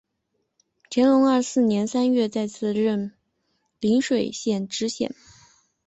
乾隆二十四年三月再次任邻水县知县。